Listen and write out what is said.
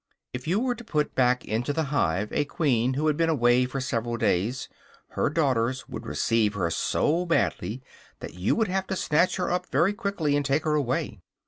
If you were to put back into the hive a queen who had been away for several days, her daughters would receive her so badly that you would have to snatch her up very quickly, and take her away.